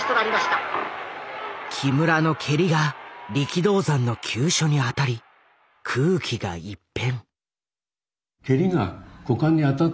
木村の蹴りが力道山の急所に当たり空気が一変。